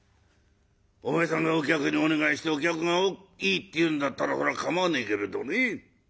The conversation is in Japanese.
お前さんがお客にお願いしてお客がいいって言うんだったらそらかまわねえけれどね」。